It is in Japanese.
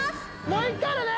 もういくからね。